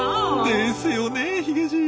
ですよねえヒゲじい。